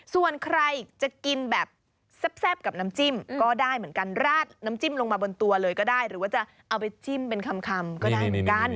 ส่วนใครจะกินแบบแซ่บกับน้ำจิ้มก็ได้เหมือนกันราดน้ำจิ้มลงมาบนตัวเลยก็ได้หรือว่าจะเอาไปจิ้มเป็นคำก็ได้เหมือนกัน